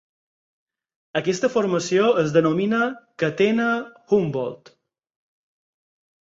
Aquesta formació es denomina Catena Humboldt.